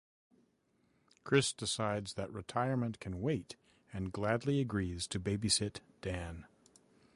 Chris decides that retirement can wait and gladly agrees to babysit Dan.